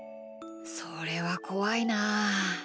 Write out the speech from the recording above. それはこわいなあ。